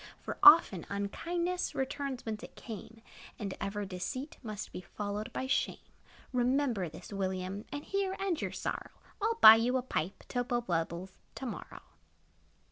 For, often, unkindness Returns whence it came; And ever deceit must Be followed by shame. Remember this, William, And here end your sorrow; I 'll buy you a pipe, To blow bubbles, to morrow.